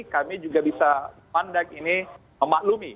kami juga bisa pandak ini memaklumi